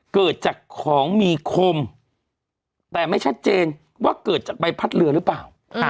เกิดจากของมีคมแต่ไม่ชัดเจนว่าเกิดจากใบพัดเรือหรือเปล่า